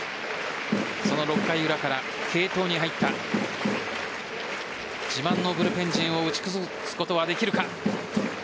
その６回裏から継投に入った自慢のブルペン陣を打ち崩すことはできるのか。